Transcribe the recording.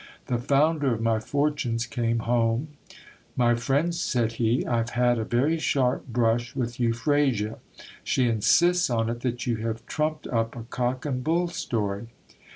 The founder of my fortunes came home. My friend, said he, I have had a very sharp brush with Euphrasia. She insists on it that you have trumped up a cock and bull story.